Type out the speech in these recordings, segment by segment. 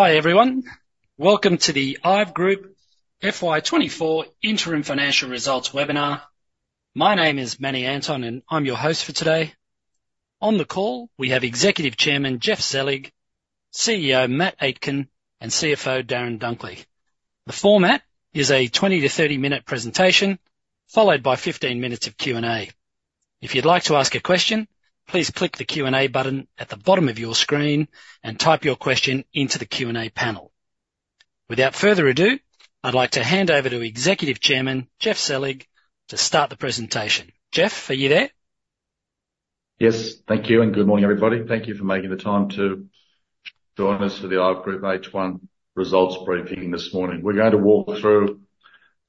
Hi everyone. Welcome to the IVE Group FY24 interim financial results webinar. My name is Manny Anton and I'm your host for today. On the call we have Executive Chairman Geoff Selig, CEO Matt Aitken, and CFO Darren Dunkley. The format is a 20- to 30-minute presentation followed by 15 minutes of Q&A. If you'd like to ask a question, please click the Q&A button at the bottom of your screen and type your question into the Q&A panel. Without further ado, I'd like to hand over to Executive Chairman Geoff Selig to start the presentation. Geoff, are you there? Yes. Thank you and good morning everybody. Thank you for making the time to join us for the IVE Group H1 results briefing this morning. We're going to walk through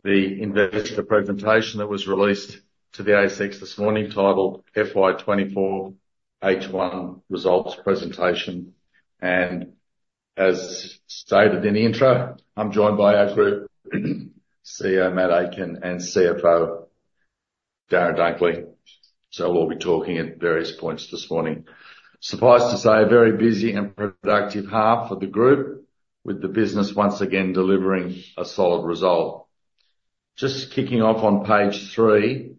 the investor presentation that was released to the ASX this morning titled FY24 H1 Results Presentation. As stated in the intro, I'm joined by our group CEO Matt Aitken and CFO Darren Dunkley, so we'll all be talking at various points this morning. Surprised to say a very busy and productive half of the group with the business once again delivering a solid result. Just kicking off on page three,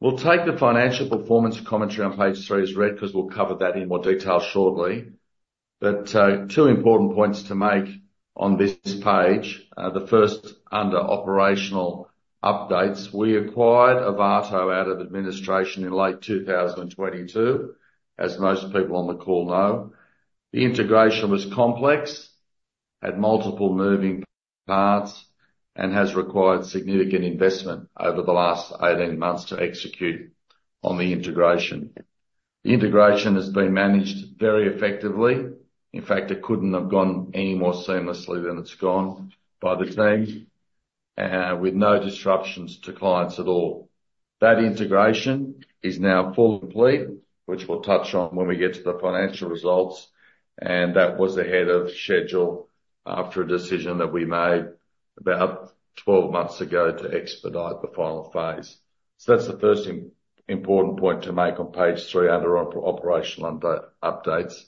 we'll take the financial performance commentary on page three as read because we'll cover that in more detail shortly. Two important points to make on this page. The first, under operational updates, we acquired Ovato out of administration in late 2022, as most people on the call know. The integration was complex, had multiple moving parts, and has required significant investment over the last 18 months to execute on the integration. The integration has been managed very effectively. In fact, it couldn't have gone any more seamlessly than it's gone by the team, with no disruptions to clients at all. That integration is now fully complete, which we'll touch on when we get to the financial results. And that was ahead of schedule after a decision that we made about 12 months ago to expedite the final phase. So that's the first important point to make on page three under operational updates.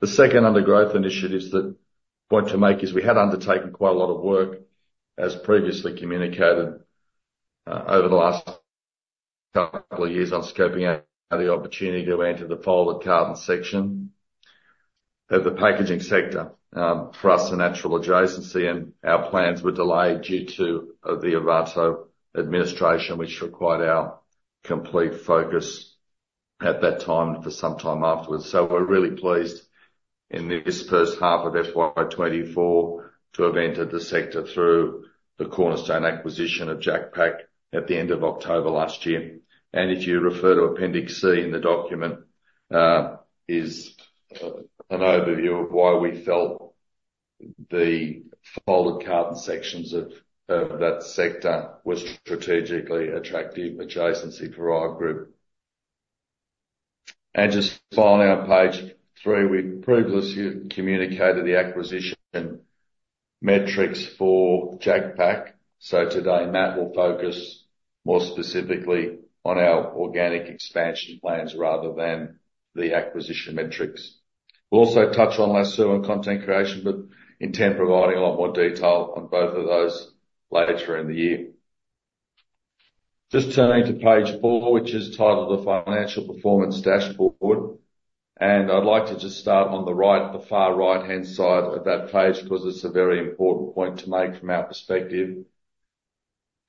The second under growth initiatives that I want to make is we had undertaken quite a lot of work, as previously communicated, over the last couple of years on scoping out the opportunity to enter the folded carton section of the packaging sector for us in natural adjacency. Our plans were delayed due to the Ovato administration, which required our complete focus at that time for some time afterwards. We're really pleased in this first half of FY24 to have entered the sector through the cornerstone acquisition of JacPak at the end of October last year. If you refer to Appendix C in the document, it is an overview of why we felt the folded carton sections of that sector were strategically attractive adjacency for our group. Just finally, on page three, we previously communicated the acquisition metrics for JacPak. Today, Matt will focus more specifically on our organic expansion plans rather than the acquisition metrics. We'll also touch on Lasoo and content creation, but intend providing a lot more detail on both of those later in the year. Just turning to page four, which is titled The Financial Performance Dashboard. I'd like to just start on the right, the far right-hand side of that page because it's a very important point to make from our perspective.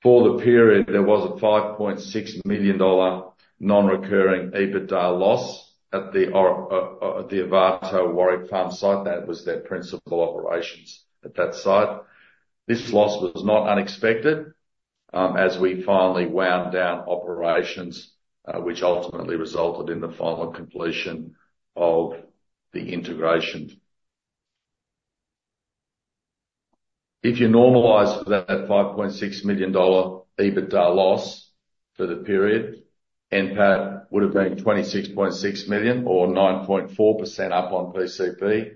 For the period, there was a 5.6 million dollar non-recurring EBITDA loss at the Ovato Warwick Farm site. That was their principal operations at that site. This loss was not unexpected as we finally wound down operations, which ultimately resulted in the final completion of the integration. If you normalise for that 5.6 million dollar EBITDA loss for the period, NPAT would have been 26.6 million or 9.4% up on PCP.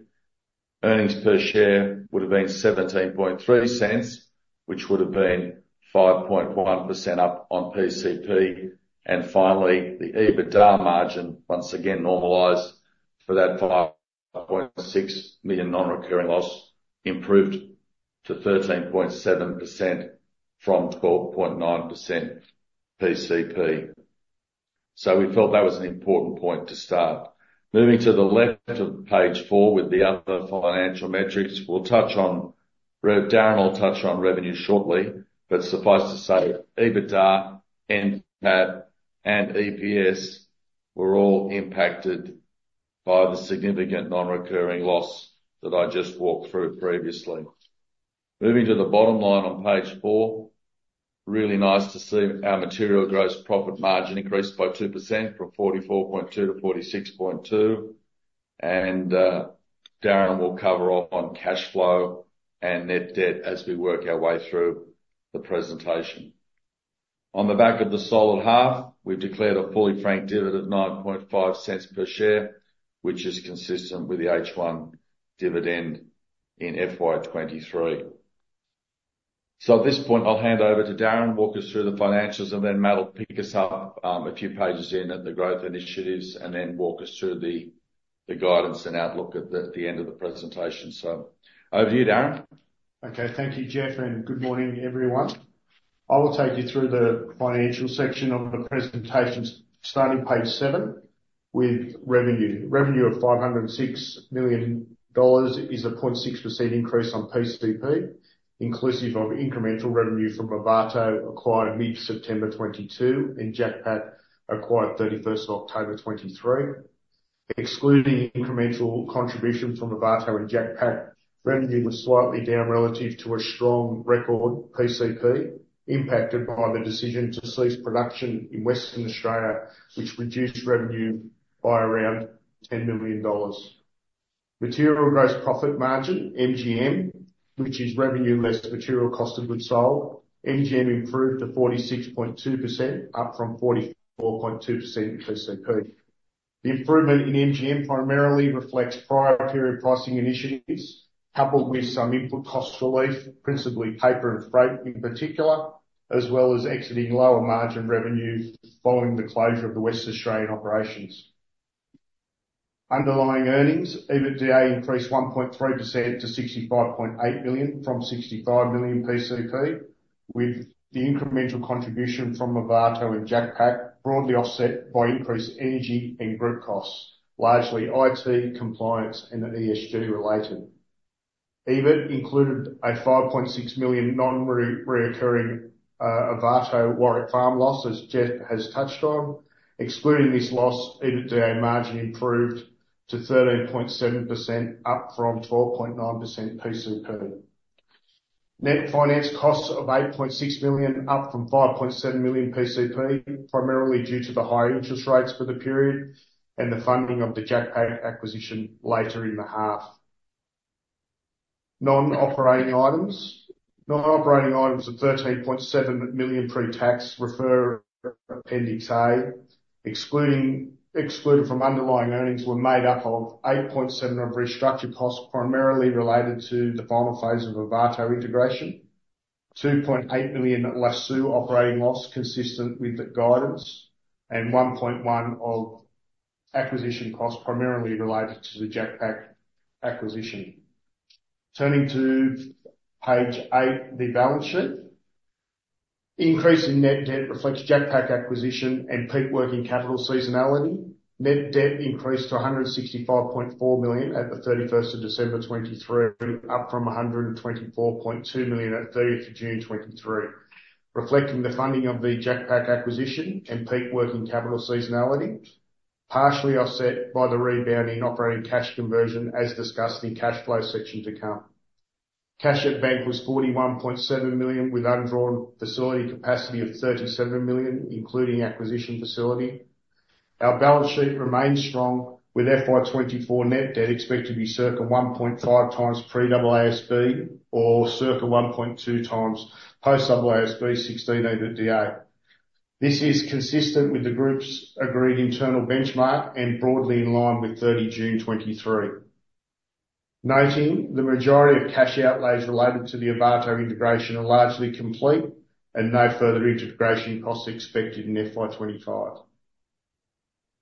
Earnings per share would have been 0.173, which would have been 5.1% up on PCP. And finally, the EBITDA margin, once again normalised for that 5.6 million non-recurring loss, improved to 13.7% from 12.9% PCP. So we felt that was an important point to start. Moving to the left of page four with the other financial metrics, Darren will touch on revenue shortly. But suffice to say, EBITDA, NPAT, and EPS were all impacted by the significant non-recurring loss that I just walked through previously. Moving to the bottom line on page four, really nice to see our material gross profit margin increase by 2% from 44.2% to 46.2%. And Darren will cover on cash flow and net debt as we work our way through the presentation. On the back of the solid half, we've declared a fully franked dividend of 0.095 per share, which is consistent with the H1 dividend in FY 2023. So at this point, I'll hand over to Darren, walk us through the financials, and then Matt will pick us up a few pages in at the growth initiatives and then walk us through the guidance and outlook at the end of the presentation. So over to you, Darren. Okay. Thank you, Geoff, and good morning, everyone. I will take you through the financial section of the presentation, starting page seven with revenue. Revenue of 506 million dollars is a 0.6% increase on PCP, inclusive of incremental revenue from Ovato acquired mid-September 2022 and JacPak acquired 31st of October 2023. Excluding incremental contributions from Ovato and JacPak, revenue was slightly down relative to a strong record PCP impacted by the decision to cease production in Western Australia, which reduced revenue by around 10 million dollars. Material gross profit margin, MGM, which is revenue less material cost of goods sold, MGM improved to 46.2%, up from 44.2% in PCP. The improvement in MGM primarily reflects prior period pricing initiatives coupled with some input cost relief, principally paper and freight in particular, as well as exiting lower margin revenue following the closure of the Western Australian operations. Underlying earnings, EBITDA increased 1.3% to 65.8 million from 65 million PCP, with the incremental contribution from Ovato and JacPak broadly offset by increased energy and group costs, largely IT, compliance, and ESG related. EBIT included a AUD 5.6 million non-recurring Ovato Warwick Farm loss, as Geoff has touched on. Excluding this loss, EBITDA margin improved to 13.7%, up from 12.9% PCP. Net finance costs of 8.6 million, up from 5.7 million PCP, primarily due to the high interest rates for the period and the funding of the JacPak acquisition later in the half. Non-operating items of 13.7 million pre-tax, refer Appendix A, excluded from underlying earnings, were made up of 8.7 million of restructured costs primarily related to the final phase of Ovato integration, 2.8 million Lasoo operating loss consistent with the guidance, and 1.1 million of acquisition costs primarily related to the JacPak acquisition. Turning to page eight, the balance sheet. Increase in net debt reflects JacPak acquisition and peak working capital seasonality. Net debt increased to 165.4 million at the 31st of December 2023, up from 124.2 million at 30th of June 2023, reflecting the funding of the JacPak acquisition and peak working capital seasonality, partially offset by the rebounding operating cash conversion as discussed in cash flow section to come. Cash at bank was 41.7 million with undrawn facility capacity of 37 million, including acquisition facility. Our balance sheet remains strong, with FY24 net debt expected to be circa 1.5 times pre-AASB or circa 1.2 times post-AASB 16 EBITDA. This is consistent with the group's agreed internal benchmark and broadly in line with 30 June 2023. Noting the majority of cash outlays related to the Ovato integration are largely complete and no further integration costs expected in FY25.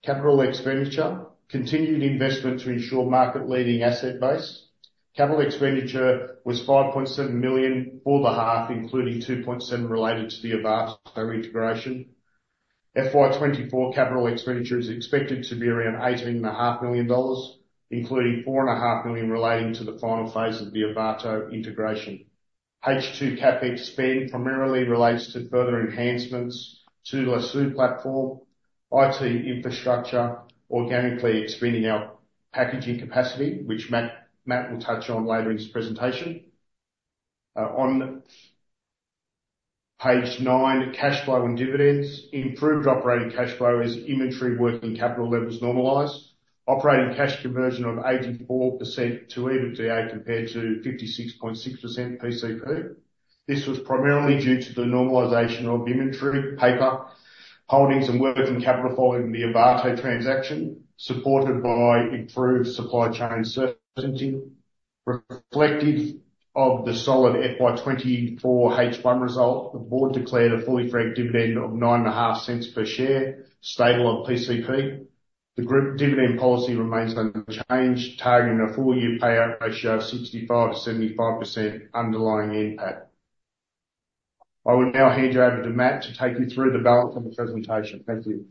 Capital expenditure, continued investment to ensure market-leading asset base. Capital expenditure was 5.7 million for the half, including 2.7 million related to the Ovato integration. FY24 capital expenditure is expected to be around 18.5 million dollars, including 4.5 million relating to the final phase of the Ovato integration. H2 CapEx spend primarily relates to further enhancements to Lasoo platform, IT infrastructure, organically expanding our packaging capacity, which Matt will touch on later in his presentation. On page nine, cash flow and dividends, improved operating cash flow as inventory working capital levels normalized. Operating cash conversion of 84% to EBITDA compared to 56.6% PCP. This was primarily due to the normalization of inventory, paper, holdings, and working capital following the Ovato transaction, supported by improved supply chain certainty. Reflective of the solid FY24 H1 result, the board declared a fully franked dividend of 0.095 per share, stable on PCP. The group dividend policy remains unchanged, targeting a four-year payout ratio of 65%-75% underlying NPAT. I will now hand you over to Matt to take you through the balance of the presentation. Thank you.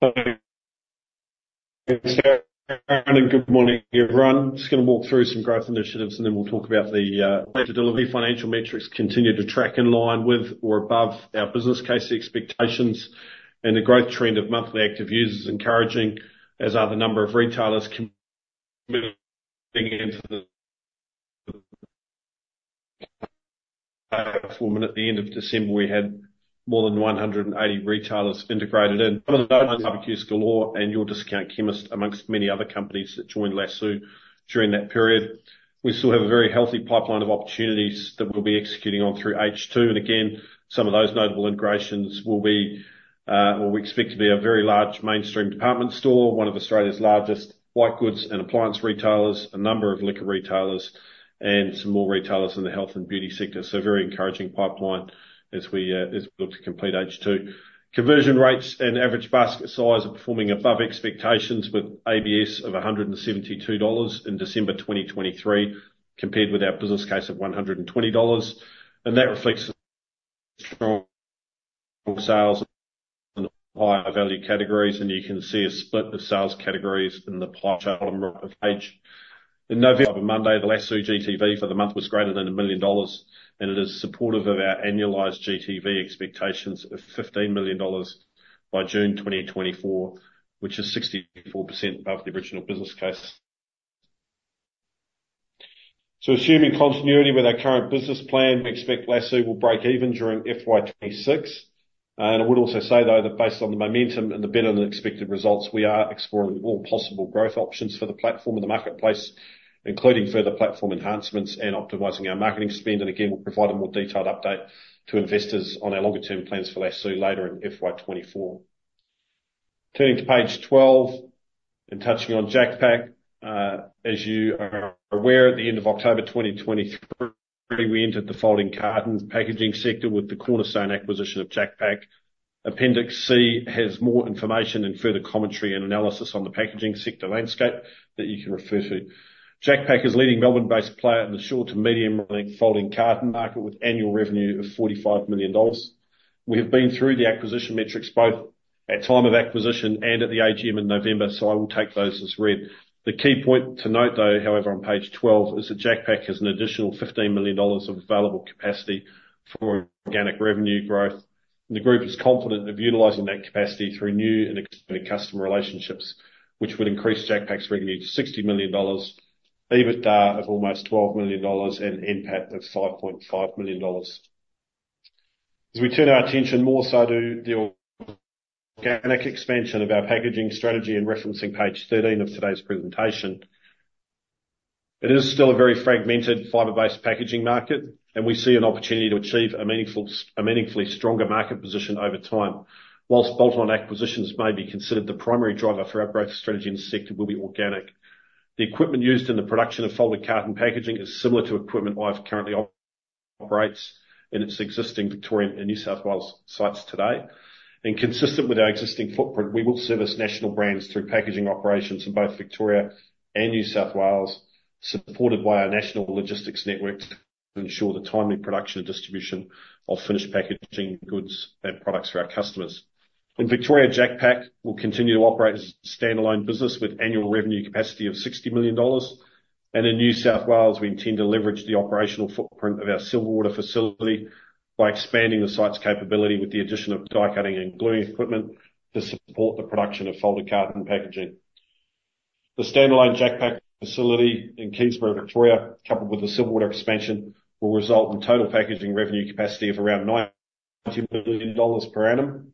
Thank you, Darren, and good morning, everyone. I'm just going to walk through some growth initiatives, and then we'll talk about the. The delivery financial metrics continue to track in line with or above our business case expectations. The growth trend of monthly active users is encouraging, as are the number of retailers committing into the platform. And at the end of December, we had more than 180 retailers integrated in. Some of those are Barbeques Galore and Your Discount Chemist, among many other companies that joined Lasoo during that period. We still have a very healthy pipeline of opportunities that we'll be executing on through H2. And again, some of those notable integrations will be or we expect to be a very large mainstream department store, one of Australia's largest white goods and appliance retailers, a number of liquor retailers, and some more retailers in the health and beauty sector. So a very encouraging pipeline as we look to complete H2. Conversion rates and average basket size are performing above expectations, with ABS of 172 dollars in December 2023 compared with our business case of 120 dollars. And that reflects strong sales in higher value categories. And you can see a split of sales categories in the pie chart on the right of page. In November. Cyber Monday, the Lasoo GTV for the month was greater than 1 million dollars. And it is supportive of our annualised GTV expectations of 15 million dollars by June 2024, which is 64% above the original business case. So assuming continuity with our current business plan, we expect Lasoo will break even during FY26. And I would also say, though, that based on the momentum and the better-than-expected results, we are exploring all possible growth options for the platform and the marketplace, including further platform enhancements and optimizing our marketing spend. And again, we'll provide a more detailed update to investors on our longer-term plans for Lasoo later in FY24. Turning to page 12 and touching on JacPak, as you are aware, at the end of October 2023, we entered the folding carton packaging sector with the cornerstone acquisition of JacPak. Appendix C has more information and further commentary and analysis on the packaging sector landscape that you can refer to. JacPak is leading Melbourne-based player in the short- to medium-range folding carton market with annual revenue of 45 million dollars. We have been through the acquisition metrics both at time of acquisition and at the AGM in November, so I will take those as read. The key point to note, though, however, on page 12 is that JacPak has an additional 15 million dollars of available capacity for organic revenue growth. The group is confident of utilizing that capacity through new and expanded customer relationships, which would increase JacPak's revenue to AUD 60 million, EBITDA of almost AUD 12 million, and NPAT of AUD 5.5 million. As we turn our attention, more so do the organic expansion of our packaging strategy in referencing page 13 of today's presentation. It is still a very fragmented fiber-based packaging market, and we see an opportunity to achieve a meaningfully stronger market position over time. While bolt-on acquisitions may be considered the primary driver for our growth strategy in the sector, we'll be organic. The equipment used in the production of folded carton packaging is similar to equipment IVE currently operates in its existing Victoria and New South Wales sites today. Consistent with our existing footprint, we will service national brands through packaging operations in both Victoria and New South Wales, supported by our national logistics network to ensure the timely production and distribution of finished packaging goods and products for our customers. In Victoria, JacPak will continue to operate as a standalone business with annual revenue capacity of 60 million dollars. In New South Wales, we intend to leverage the operational footprint of our Silverwater facility by expanding the site's capability with the addition of die-cutting and gluing equipment to support the production of folded carton packaging. The standalone JacPak facility in Keysborough, Victoria, coupled with the Silverwater expansion, will result in total packaging revenue capacity of around 90 million dollars per annum.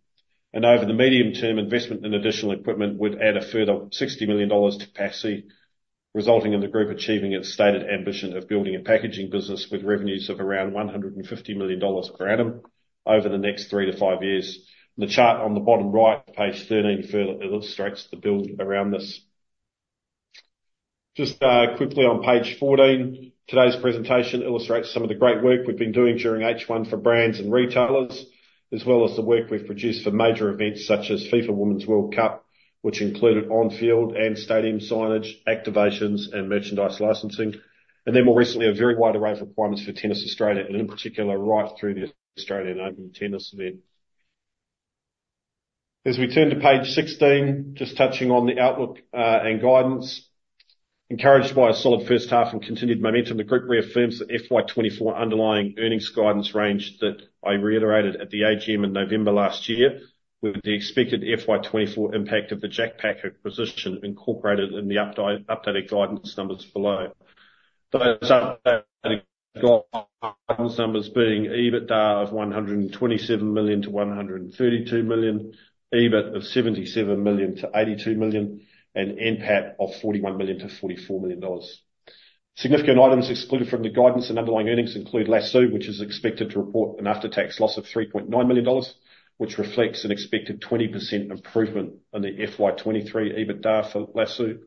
Over the medium term, investment in additional equipment would add a further 60 million dollars to capacity, resulting in the group achieving its stated ambition of building a packaging business with revenues of around 150 million dollars per annum over the next three to five years. The chart on the bottom right, page 13, further illustrates the build around this. Just quickly on page 14, today's presentation illustrates some of the great work we've been doing during H1 for brands and retailers, as well as the work we've produced for major events such as FIFA Women's World Cup, which included on-field and stadium signage, activations, and merchandise licensing. Then more recently, a very wide array of requirements for Tennis Australia, and in particular, right through the Australian Open tennis event. As we turn to page 16, just touching on the Outlook and Guidance. Encouraged by a solid first half and continued momentum, the group reaffirms the FY24 underlying earnings guidance range that I reiterated at the AGM in November last year, with the expected FY24 impact of the JacPak acquisition incorporated in the updated guidance numbers below. Those updated guidance numbers being EBITDA of 127 million-132 million, EBIT of 77 million-82 million, and NPAT of 41 million-44 million dollars. Significant items excluded from the guidance and underlying earnings include Lasoo, which is expected to report an after-tax loss of 3.9 million dollars, which reflects an expected 20% improvement in the FY23 EBITDA for Lasoo.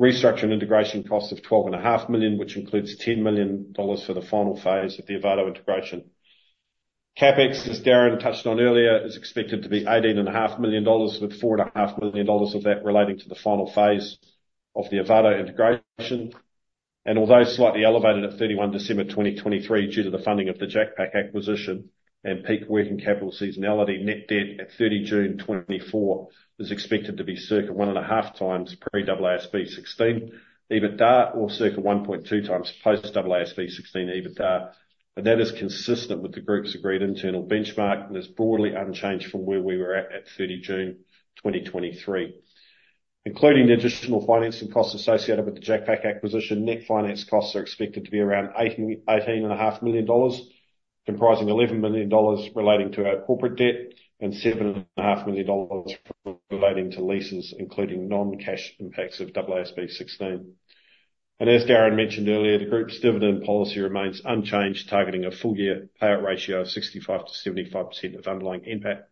Restructure and integration cost of 12.5 million, which includes 10 million dollars for the final phase of the Ovato integration. CapEx, as Darren touched on earlier, is expected to be 18.5 million dollars, with 4.5 million dollars of that relating to the final phase of the Ovato integration. Although slightly elevated at 31 December 2023 due to the funding of the JacPak acquisition and peak working capital seasonality, net debt at 30 June 2024 is expected to be circa 1.5 times pre-AASB 16 EBITDA or circa 1.2 times post-AASB 16 EBITDA. And that is consistent with the group's agreed internal benchmark and is broadly unchanged from where we were at at 30 June 2023. Including the additional financing costs associated with the JacPak acquisition, net finance costs are expected to be around 18.5 million dollars, comprising 11 million dollars relating to our corporate debt and 7.5 million dollars relating to leases, including non-cash impacts of AASB 16. As Darren mentioned earlier, the group's dividend policy remains unchanged, targeting a full-year payout ratio of 65%-75% of underlying NPAT.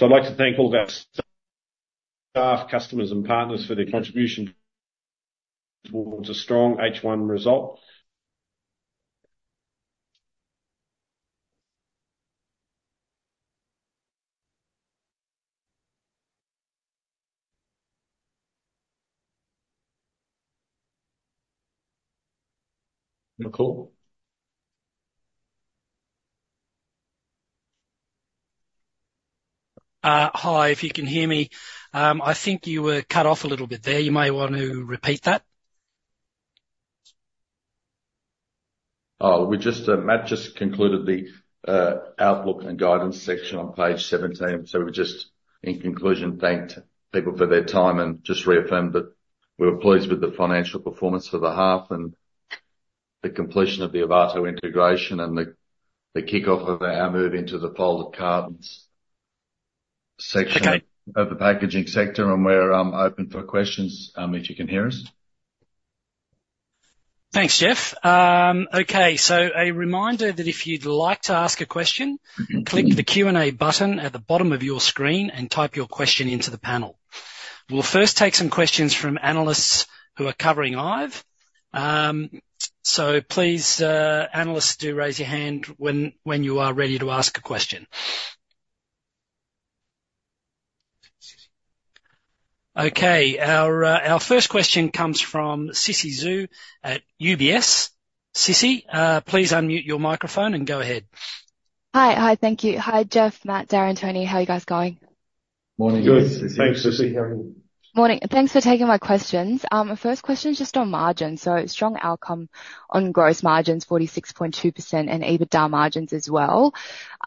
I'd like to thank all of our staff, customers, and partners for their contribution towards a strong H1 result. [Nicole.] Hi, if you can hear me. I think you were cut off a little bit there. You may want to repeat that. Oh, Matt just concluded the Outlook and Guidance section on page 17. So we were just, in conclusion, thanked people for their time and just reaffirmed that we were pleased with the financial performance for the half and the completion of the Ovato integration and the kickoff of our move into the folded cartons section of the packaging sector. And we're open for questions if you can hear us. Thanks, Geoff. Okay, so a reminder that if you'd like to ask a question, click the Q&A button at the bottom of your screen and type your question into the panel. We'll first take some questions from analysts who are covering IVE. So please, analysts, do raise your hand when you are ready to ask a question. Okay, our first question comes from Cissy Zhu at UBS. Cissy, please unmute your microphone and go ahead. Hi. Hi, thank you. Hi, Geoff, Matt, Darren and Tony. How are you guys going? Good. Thanks, Cissy. How are you? Thanks for taking my questions. First question's just on margins. So strong outcome on gross margins, 46.2%, and EBITDA margins as well.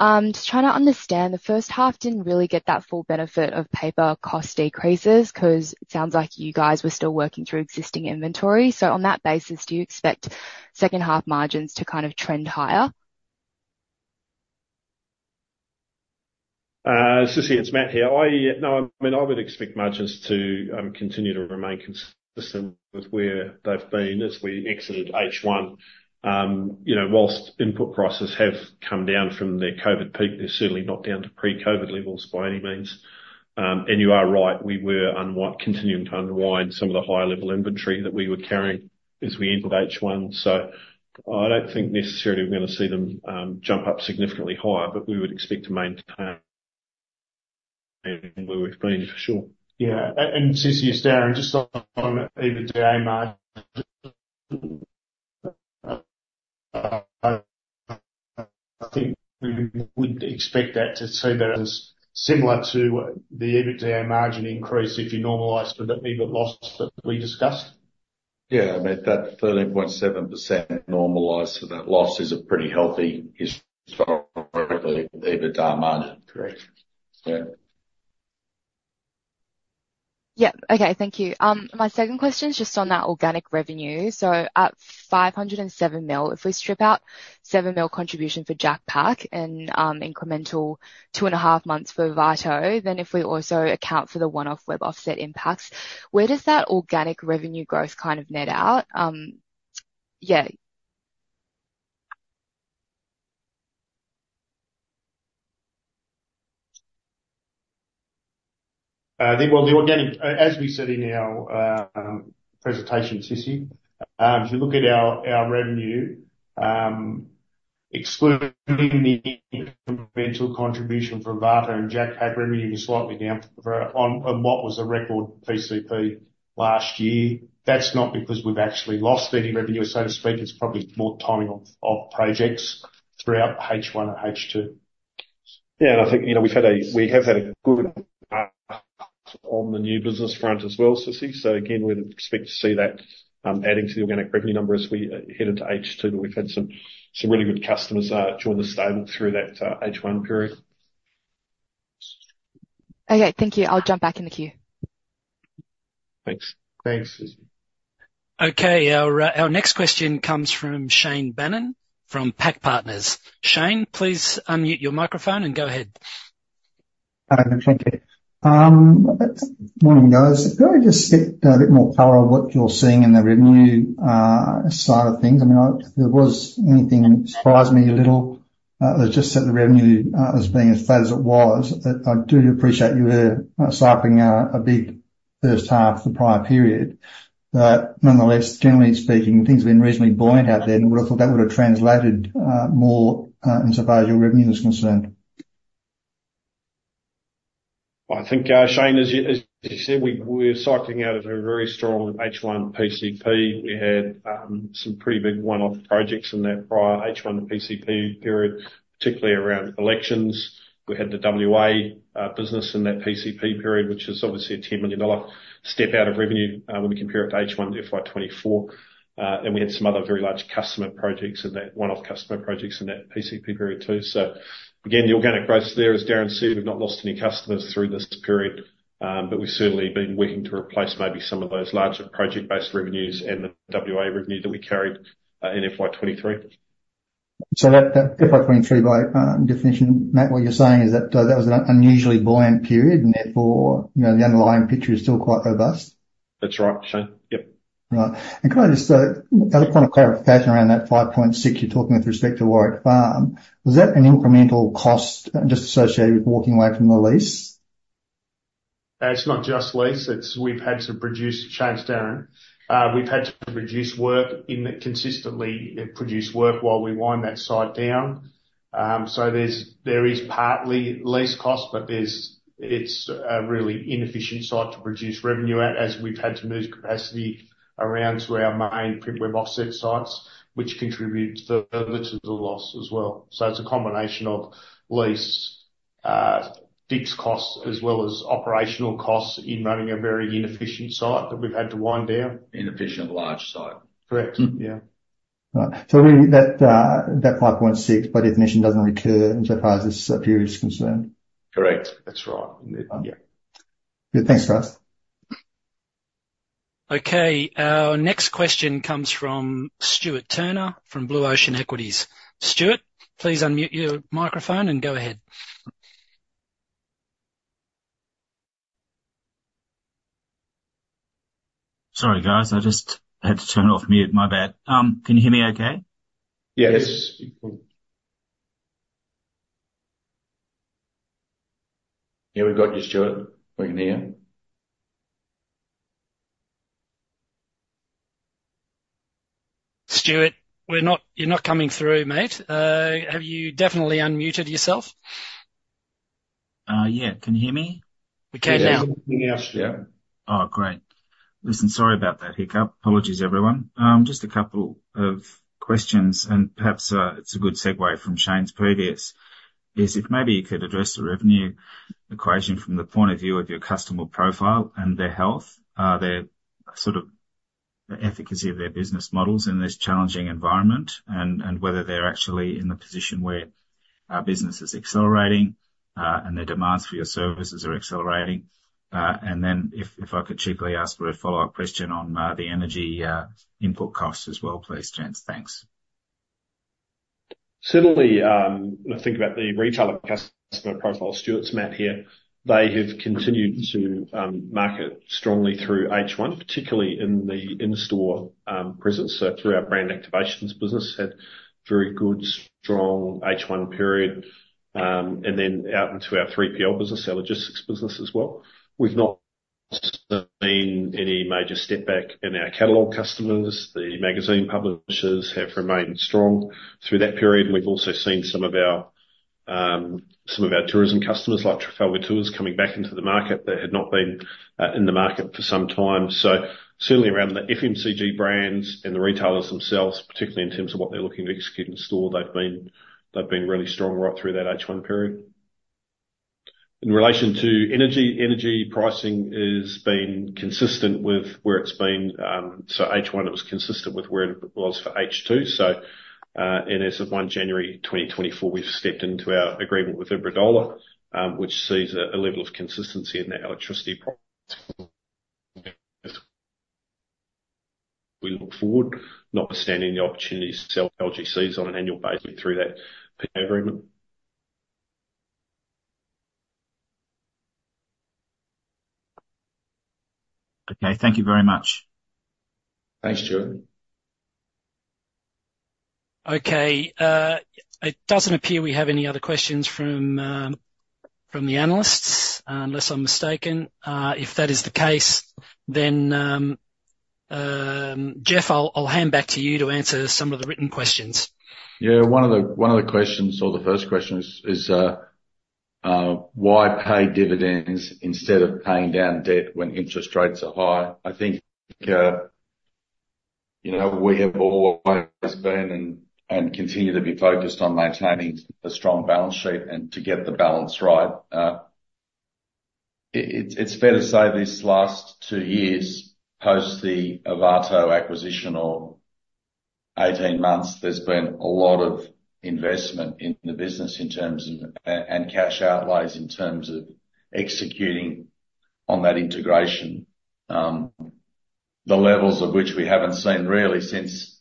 Just trying to understand, the first half didn't really get that full benefit of paper cost decreases because it sounds like you guys were still working through existing inventory. So on that basis, do you expect second-half margins to kind of trend higher? Cissy, it's Matt here. No, I mean, I would expect margins to continue to remain consistent with where they've been as we exited H1. While input prices have come down from their COVID peak, they're certainly not down to pre-COVID levels by any means. And you are right, we were continuing to unwind some of the higher-level inventory that we were carrying as we entered H1. So I don't think necessarily we're going to see them jump up significantly higher, but we would expect to maintain where we've been for sure. Yeah. Cissy, it's Darren just on EBITDA margin. I think we would expect that to see that as similar to the EBITDA margin increase if you normalized for the EBIT loss that we discussed. Yeah, I mean, that 13.7% normalized for that loss is a pretty healthy historically EBITDA margin. Correct. Yeah. Okay, thank you. My second question's just on that organic revenue. So at 507 million, if we strip out 7 million contribution for JacPak and incremental two and a half months for Ovato, then if we also account for the one-off web offset impacts, where does that organic revenue growth kind of net out? Yeah. Well, as we said in our presentation, Cissy, if you look at our revenue, excluding the incremental contribution for Ovato and JacPak, revenue was slightly down on what was the record PCP last year. That's not because we've actually lost any revenue, so to speak. It's probably more timing of projects throughout H1 and H2. Yeah, and I think we've had a good market on the new business front as well, Cissy. So again, we'd expect to see that adding to the organic revenue number as we head into H2, but we've had some really good customers join the stable through that H1 period. Okay, thank you. I'll jump back in the queue. Thanks. Thanks, Cissy. Okay, our next question comes from Shane Bannan from PAC Partners. Shane, please unmute your microphone and go ahead. Hi, thank you. Morning, guys. If you could just get a bit more clarity on what you're seeing in the revenue side of things? I mean, if there was anything that surprised me a little, it was just that the revenue is being as flat as it was. I do appreciate you were cycling a big first half of the prior period. But nonetheless, generally speaking, things have been reasonably buoyant out there, and I would have thought that would have translated more insofar as your revenue was concerned. Well, I think, Shane, as you said, we were cycling out of a very strong H1 PCP. We had some pretty big one-off projects in that prior H1 PCP period, particularly around elections. We had the WA business in that PCP period, which is obviously a 10 million dollar step out of revenue when we compare it to H1 FY24. And we had some other very large customer projects in that one-off customer projects in that PCP period too. So again, the organic growth there, as Darren said, we've not lost any customers through this period, but we've certainly been working to replace maybe some of those larger project-based revenues and the WA revenue that we carried in FY23. That FY23, by definition, Matt, what you're saying is that that was an unusually buoyant period, and therefore, the underlying picture is still quite robust. That's right, Shane. Yep. Right. And kind of just another point of clarification around that 5.6 you're talking with respect to Warwick Farm, was that an incremental cost just associated with walking away from the lease? It's not just lease. We've had to produce change, Darren. We've had to produce work in the consistently produce work while we wind that site down. So there is partly lease cost, but it's a really inefficient site to produce revenue at as we've had to move capacity around to our main print web offset sites, which contributes further to the loss as well. So it's a combination of lease fixed costs as well as operational costs in running a very inefficient site that we've had to wind down. Inefficient large site. Correct. Yeah. Right. So really, that 5.6, by definition, doesn't recur insofar as this period is concerned. Correct. That's right. Yeah. Good. Thanks, guys. Okay, our next question comes from Stuart Turner from Blue Ocean Equities. Stuart, please unmute your microphone and go ahead. Sorry, guys. I just had to turn off mute. My bad. Can you hear me okay? Yes. Yeah, we've got you, Stuart. We can hear you. Stuart, you're not coming through, mate. Have you definitely unmuted yourself? Yeah. Can you hear me? We can now. Yeah. Everything now, Stuart. Oh, great. Listen, sorry about that hiccup. Apologies, everyone. Just a couple of questions, and perhaps it's a good segue from Shane's previous, is if maybe you could address the revenue equation from the point of view of your customer profile and their health, their sort of efficacy of their business models in this challenging environment, and whether they're actually in the position where our business is accelerating and their demands for your services are accelerating. And then if I could cheekily ask for a follow-up question on the energy input costs as well, please, Jens. Thanks. Certainly, when I think about the retailer customer profile, Stuart, it's Matt here, they have continued to market strongly through H1, particularly in the in-store presence. So through our brand activations business, had very good, strong H1 period. And then out into our 3PL business, our logistics business as well. We've not seen any major step back in our catalogue customers. The magazine publishers have remained strong through that period. And we've also seen some of our tourism customers, like Trafalgar Tours, coming back into the market that had not been in the market for some time. So certainly around the FMCG brands and the retailers themselves, particularly in terms of what they're looking to execute in store, they've been really strong right through that H1 period. In relation to energy, pricing has been consistent with where it's been so H1, it was consistent with where it was for H2. As of 1 January 2024, we've stepped into our agreement with Iberdrola, which sees a level of consistency in that electricity price. We look forward, notwithstanding the opportunity to sell LGCs on an annual basis through that PPA agreement. Okay. Thank you very much. Thanks, Stuart. Okay. It doesn't appear we have any other questions from the analysts, unless I'm mistaken. If that is the case, then, Geoff, I'll hand back to you to answer some of the written questions. Yeah. One of the questions, or the first question, is why pay dividends instead of paying down debt when interest rates are high? I think we have always been and continue to be focused on maintaining a strong balance sheet and to get the balance right. It's fair to say these last two years, post the Ovato acquisition, or 18 months, there's been a lot of investment in the business and cash outlays in terms of executing on that integration, the levels of which we haven't seen really since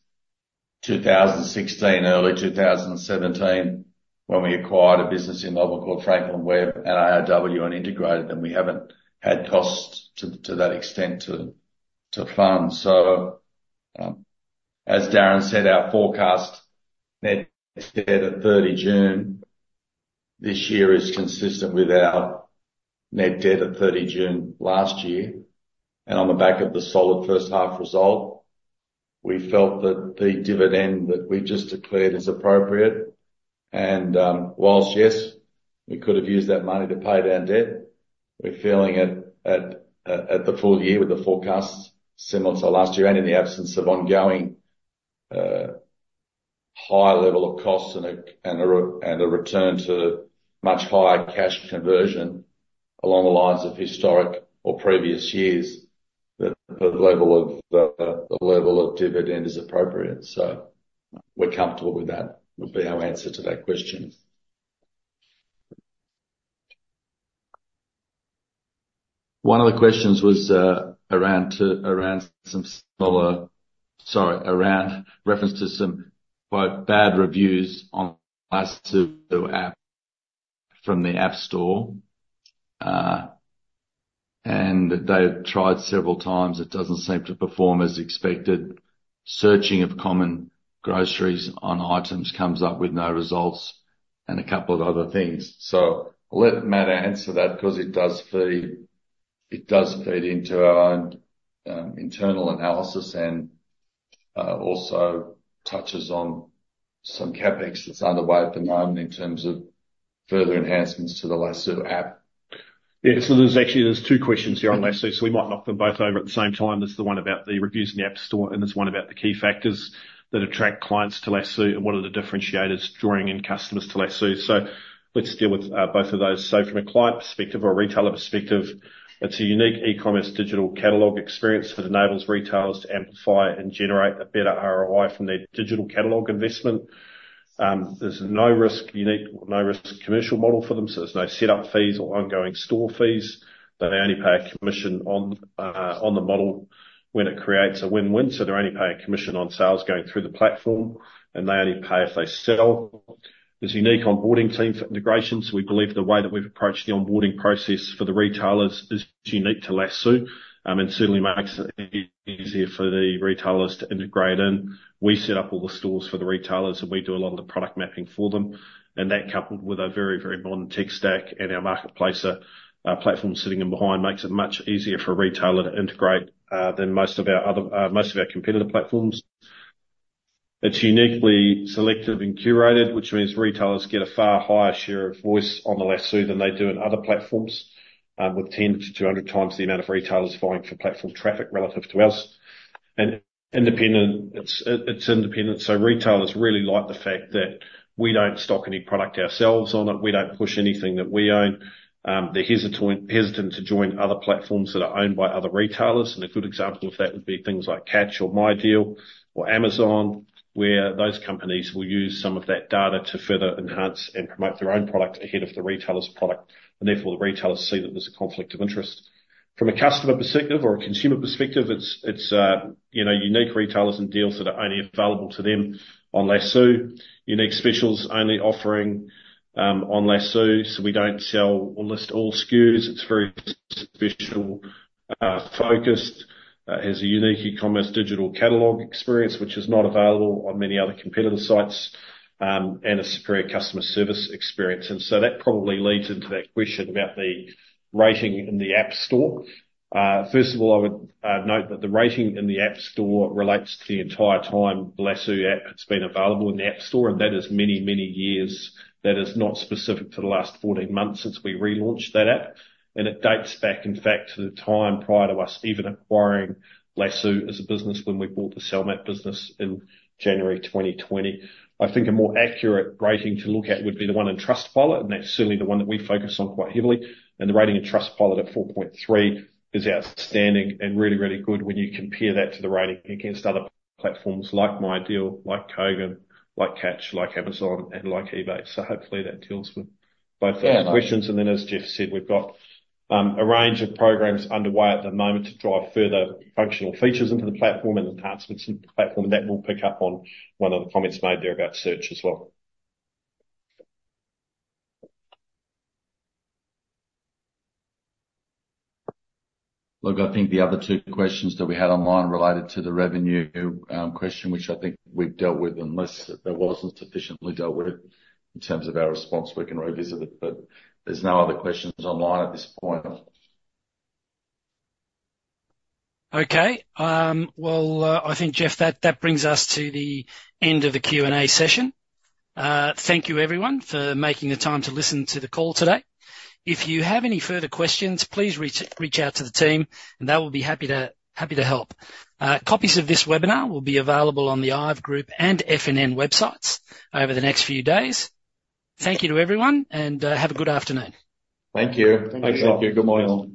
2016, early 2017, when we acquired a business in Melbourne called Franklin Web and AIW and integrated them. We haven't had costs to that extent to fund. So as Darren said, our forecast net debt at 30 June this year is consistent with our net debt at 30 June last year. On the back of the solid first-half result, we felt that the dividend that we've just declared is appropriate. While, yes, we could have used that money to pay down debt, we're feeling it at the full year with the forecasts similar to last year, and in the absence of ongoing high level of costs and a return to much higher cash conversion along the lines of historic or previous years, that the level of dividend is appropriate. So we're comfortable with that would be our answer to that question. One of the questions was around some smaller sorry, around reference to some "bad reviews" on the App Store from the App Store. They've tried several times. It doesn't seem to perform as expected. Searching of common groceries on items comes up with no results and a couple of other things. I'll let Matt answer that because it does feed into our own internal analysis and also touches on some CapEx that's underway at the moment in terms of further enhancements to the Lasoo app. Yeah. So actually, there's two questions here on Lasoo. So we might knock them both over at the same time. There's the one about the reviews in the App Store, and there's one about the key factors that attract clients to Lasoo and what are the differentiators drawing in customers to Lasoo. So let's deal with both of those. So from a client perspective or a retailer perspective, it's a unique e-commerce digital catalogue experience that enables retailers to amplify and generate a better ROI from their digital catalogue investment. There's no risk, unique or no-risk commercial model for them. So there's no setup fees or ongoing store fees. They only pay a commission on the model when it creates a win-win. So they're only paying commission on sales going through the platform, and they only pay if they sell. There's unique onboarding team for integration. So we believe the way that we've approached the onboarding process for the retailers is unique to Lasoo and certainly makes it easier for the retailers to integrate in. We set up all the stores for the retailers, and we do a lot of the product mapping for them. And that, coupled with a very, very modern tech stack and our marketplace platform sitting in behind, makes it much easier for a retailer to integrate than most of our other most of our competitor platforms. It's uniquely selective and curated, which means retailers get a far higher share of voice on the Lasoo than they do in other platforms, with 10-200 times the amount of retailers buying for platform traffic relative to us. It's independent. So retailers really like the fact that we don't stock any product ourselves on it. We don't push anything that we own. They're hesitant to join other platforms that are owned by other retailers. A good example of that would be things like Catch or MyDeal or Amazon, where those companies will use some of that data to further enhance and promote their own product ahead of the retailer's product. Therefore, the retailers see that there's a conflict of interest. From a customer perspective or a consumer perspective, it's unique retailers and deals that are only available to them on Lasoo. Unique specials only offering on Lasoo. We don't sell or list all SKUs. It's very special-focused. It has a unique e-commerce digital catalogue experience, which is not available on many other competitor sites, and a superior customer service experience. That probably leads into that question about the rating in the App Store. First of all, I would note that the rating in the App Store relates to the entire time the Lasoo app has been available in the App Store. That is many, many years. That is not specific to the last 14 months since we relaunched that app. It dates back, in fact, to the time prior to us even acquiring Lasoo as a business when we bought the Salmat business in January 2020. I think a more accurate rating to look at would be the one in Trustpilot. That's certainly the one that we focus on quite heavily. The rating in Trustpilot at 4.3 is outstanding and really, really good when you compare that to the rating against other platforms like MyDeal, like Kogan, like Catch, like Amazon, and like eBay. So hopefully, that deals with both those questions. Then, as Geoff said, we've got a range of programs underway at the moment to drive further functional features into the platform and enhancements into the platform. That will pick up on one of the comments made there about search as well. Look, I think the other two questions that we had online related to the revenue question, which I think we've dealt with unless there wasn't sufficiently dealt with in terms of our response. We can revisit it. But there's no other questions online at this point. Okay. Well, I think, Geoff, that brings us to the end of the Q&A session. Thank you, everyone, for making the time to listen to the call today. If you have any further questions, please reach out to the team, and they will be happy to help. Copies of this webinar will be available on the IVE Group and FNN websites over the next few days. Thank you to everyone, and have a good afternoon. Thank you. Thanks, Andrew. Thank you. Good morning, all.